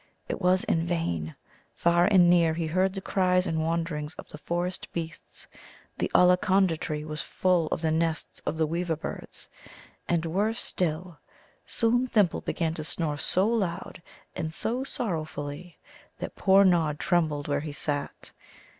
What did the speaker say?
It was in vain. Far and near he heard the cries and wanderings of the forest beasts; the Ollaconda tree was full of the nests of the weaver birds; and, worse still, soon Thimble began to snore so loud and so sorrowfully that poor Nod trembled where he sat.